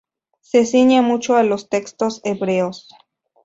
Se ciñe mucho a los textos hebreos.